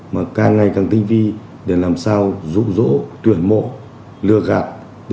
mà càng ngày càng tinh vi để làm sao rụ rỗ tuyển mộ lừa gạt